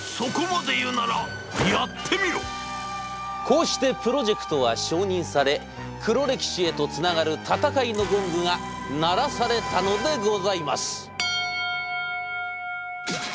こうしてプロジェクトは承認され黒歴史へとつながる戦いのゴングが鳴らされたのでございます。